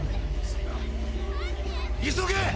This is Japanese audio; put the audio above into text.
急げ！